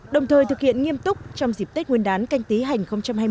đồng thời thực hiện nghiêm túc trong dịp tết nguyên đán canh tí hành hai mươi